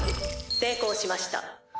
成功しました」。